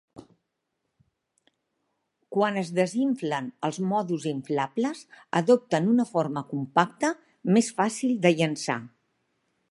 Quan es desinflen, els mòduls inflables adopten una forma compacta "més fàcil de llançar".